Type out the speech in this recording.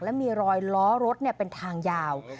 และมีรอยล้อรถเป็นทางยาว